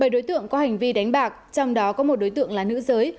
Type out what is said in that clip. bảy đối tượng có hành vi đánh bạc trong đó có một đối tượng là nữ giới